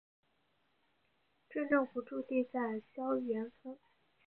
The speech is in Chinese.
镇政府驻地在筱埕村。